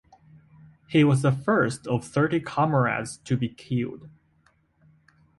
He was the first of Thirty Comrades to be killed.